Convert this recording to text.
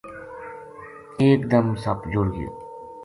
ایک دم سپ جُڑ گیو